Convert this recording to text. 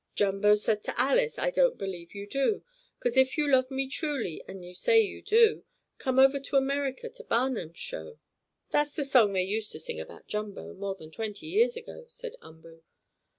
Jumbo said to Alice: 'I don't believe you do; 'Cause if you love me truly, As you say you do, Come over to America To Barnum's show!'" "That's the song they used to sing about Jumbo, more than twenty years ago," said Umboo.